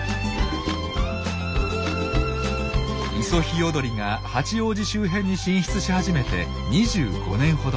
イソヒヨドリが八王子周辺に進出し始めて２５年ほど。